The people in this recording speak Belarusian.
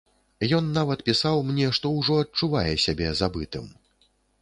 Ён нават пісаў мне, што ўжо адчувае сябе забытым.